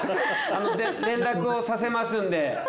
連絡をさせますんで。